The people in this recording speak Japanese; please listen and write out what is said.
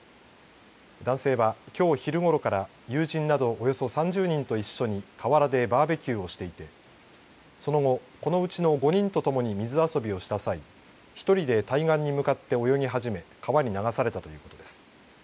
男性は、きょう昼ごろから友人などおよそ３０人と一緒に河原でバーベキューをしていてその後、このうちの５人と共に水遊びをした際１人で対岸に向かって泳ぎ始め川に流されたということです。